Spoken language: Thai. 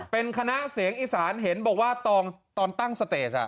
เป็นคณะเสียงอีสานเห็นบอกว่าตอนตั้งสเตส